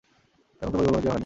এবং তা পরিকল্পনা অনুযায়ীও হয়নি।